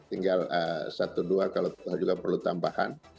tinggal satu dua kalau juga perlu tambahan